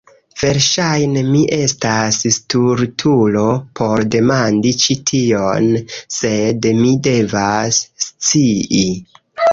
Verŝajne mi estas stultulo por demandi ĉi tion sed mi devas scii